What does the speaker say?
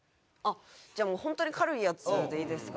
じゃあホントに軽いやつでいいですか？